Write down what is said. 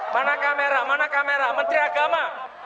mana kamera mana kamera menteri agama